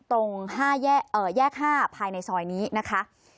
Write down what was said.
ตรงแยก๕ภายในซอยนี้นะคะ